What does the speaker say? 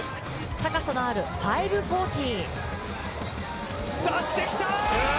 高さのある５４０。